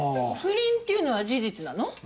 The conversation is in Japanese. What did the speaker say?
不倫っていうのは事実なの？